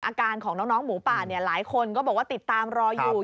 อาการของน้องหมูป่าหลายคนก็บอกว่าติดตามรออยู่